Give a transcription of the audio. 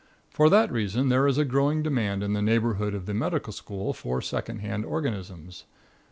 For that reason there is a growing demand in the neighborhood of the medical college for good second hand organisms.